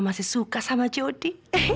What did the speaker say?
masih suka sama jody